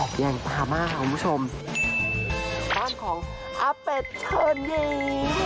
บ้านปรามาค์ของคุณผู้ชมบ้านของอ้าเป็ดเชิญเย๊